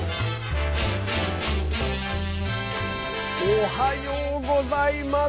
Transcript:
おはようございます！